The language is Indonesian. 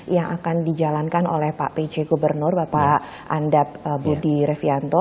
yang akan dijalankan oleh pak pj gubernur bapak andap budi revianto